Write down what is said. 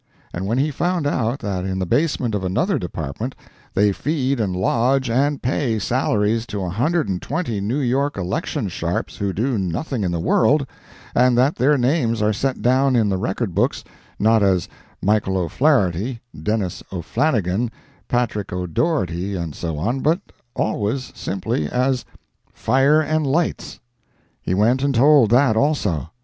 And when he found out that in the basement of another Department they feed and lodge and pay salaries to 120 New York election sharps who do nothing in the world, and that their names are set down in the record books, not as Michael O'Flaherty, Dennis O'Flannigan, Patrick O'Dougherty, and so on, but always simply as "FIRE AND LIGHTS," he went and told that also.